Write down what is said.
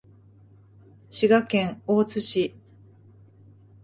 滋賀県大津市